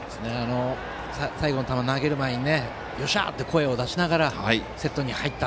最後の球、投げる前に「よっしゃー！」って声を出しながらセットに入った。